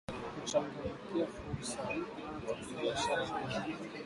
Kuchangamkia fursa mpya za kibiashara Kongo